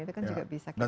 itu kan juga bisa